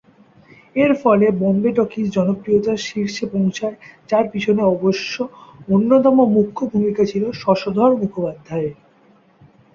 এর ফলে বোম্বে টকিজ জনপ্রিয়তার শীর্ষে পৌঁছায়, যার পেছনে অবশ্য অন্যতম মুখ্য ভূমিকা ছিল শশধর মুখোপাধ্যায়ের।